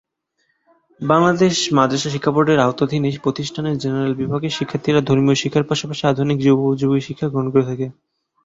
বাংলাদেশ মাদরাসা শিক্ষা বোর্ডের আওতাধীন এ প্রতিষ্ঠানে জেনারেল বিভাগের শিক্ষার্থীরা ধর্মীয় শিক্ষার পাশাপাশি আধুনিক যুগোপযোগী শিক্ষা গ্রহণ করে থাকে।